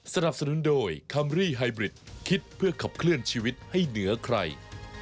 สนับสนุนโดยคัมรี่ไฮบริดคิดเพื่อขับเคลื่อนชีวิตให้เหนือใคร